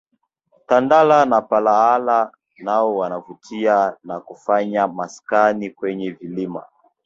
Tandala na palahala nao wanavutia na kufanya maskani kwenye vilima